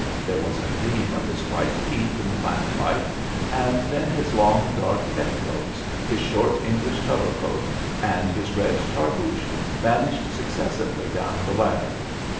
There was a gleam of his white teeth in the lamplight, and then his long, dark petticoats, his short English cover coat, and his red tarboosh vanished successively down the ladder.